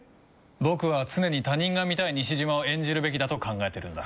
僕は常に他人が見たい西島を演じるべきだと考えてるんだ。